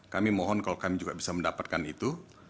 kami mohon kalau kami juga bisa mendapatkan itu